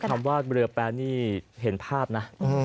คำว่าเรือแป๊นี่เห็นภาพนะ